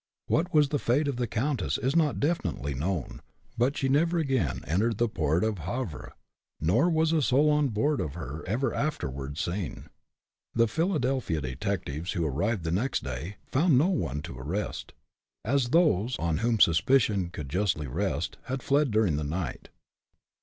What was the fate of the "Countess" is not definitely known, but she never again entered the port of Havre, nor was a soul on board of her ever afterward seen. The Philadelphia detectives who arrived the next day found no one to arrest, as those on whom suspicion could justly rest, had fled, during the night.